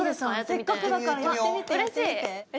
せっかくだからやってみてわっ嬉しい！